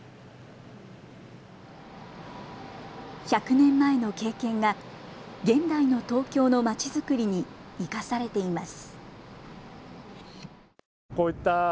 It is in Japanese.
１００年前の経験が現代の東京のまちづくりに生かされています。